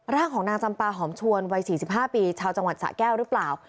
ร่างของนางจำปาหอมชวนวัย๔๕ปีชาวจังหวัดสะแก้วหรือเปล่า